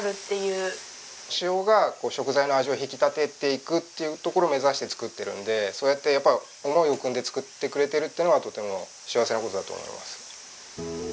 塩が食材の味を引き立てていくっていうところを目指して作ってるんでそうやってやっぱ思いをくんで作ってくれてるっていうのはとても幸せな事だと思います。